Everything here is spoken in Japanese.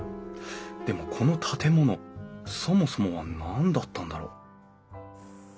でもこの建物そもそもは何だったんだろう？